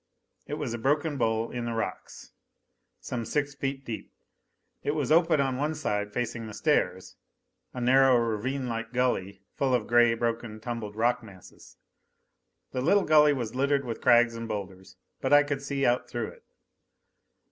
It was a broken bowl in the rocks, some six feet deep. It was open on the side facing the stairs a narrow, ravinelike gully, full of gray, broken, tumbled rock masses. The little gully was littered with crags and boulders. But I could see out through it.